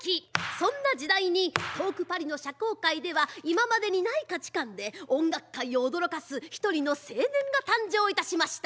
そんな時代に遠くパリの社交界では今までにない価値観で音楽界を驚かす１人の青年が誕生いたしました。